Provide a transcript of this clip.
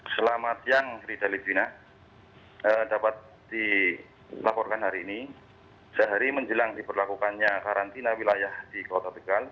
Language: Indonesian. selamat siang rita livina dapat dilaporkan hari ini sehari menjelang diberlakukannya karantina wilayah di kota tegal